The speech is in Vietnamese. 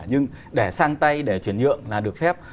nhưng để sang tay để chuyển nhượng là được phép